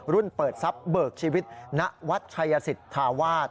เปิดทรัพย์เบิกชีวิตณวัดชัยสิทธาวาส